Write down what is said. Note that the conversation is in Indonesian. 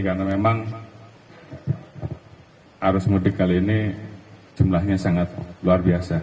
karena memang arus mudik kali ini jumlahnya sangat luar biasa